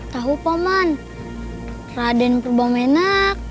tahu paman raden purwamena